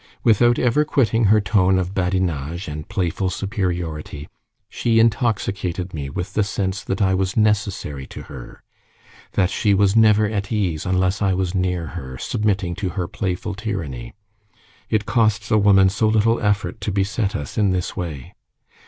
Without ever quitting her tone of badinage and playful superiority, she intoxicated me with the sense that I was necessary to her, that she was never at ease, unless I was near her, submitting to her playful tyranny. It costs a woman so little effort to beset us in this way!